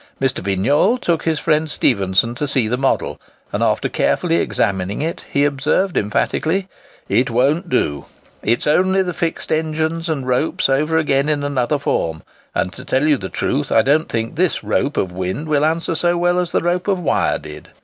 Mr. Vignolles took his friend Stephenson to see the model; and after carefully examining it, he observed emphatically, "It won't do: it is only the fixed engines and ropes over again, in another form; and, to tell you the truth, I don't think this rope of wind will answer so well as the rope of wire did."